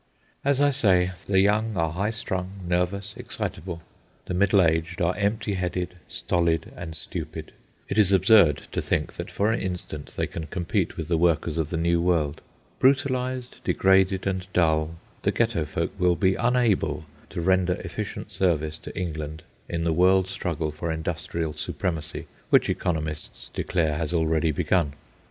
As I say, the young are high strung, nervous, excitable; the middle aged are empty headed, stolid, and stupid. It is absurd to think for an instant that they can compete with the workers of the New World. Brutalised, degraded, and dull, the Ghetto folk will be unable to render efficient service to England in the world struggle for industrial supremacy which economists declare has already begun.